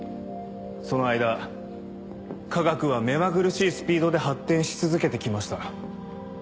その間科学は目まぐるしいスピードで発展し続けて来ました。